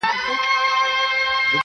• حقيقت د سور تر شا ورک پاتې کيږي تل..